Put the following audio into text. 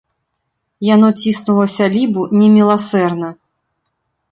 Яно ціснула сялібу неміласэрна.